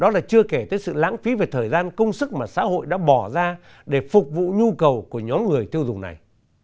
đó là chưa kể tới sự lãng phí về thời gian công sức mà xã hội đã bỏ ra để phục vụ nhu cầu của nhóm người tiêu dùng này